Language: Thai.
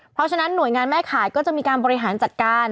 เพราะฉะนั้นหน่วยงานแม่ขายก็จะมีการบริหารจัดการ